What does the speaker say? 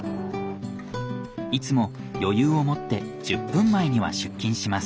いつも余裕を持って１０分前には出勤します。